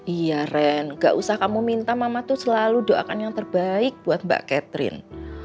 iya ren gak usah kamu minta mama tuh selalu doakan yang terbaik buat mbak catherine